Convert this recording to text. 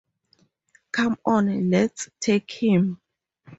Come on let's take him!